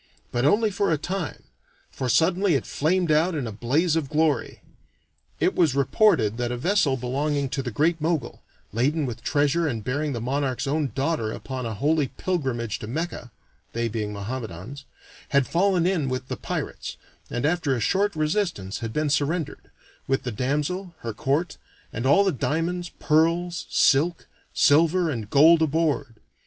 But only for a time, for suddenly it flamed out in a blaze of glory. It was reported that a vessel belonging to the Great Mogul, laden with treasure and bearing the monarch's own daughter upon a holy pilgrimage to Mecca (they being Mohammedans), had fallen in with the pirates, and after a short resistance had been surrendered, with the damsel, her court, and all the diamonds, pearls, silk, silver, and gold aboard.